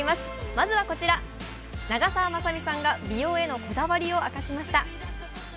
まずはこちら、長澤まさみさんが美容へのこだわりを明かしました。